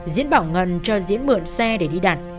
diễn bảo ngân cho diễn mượn xe để đi đặt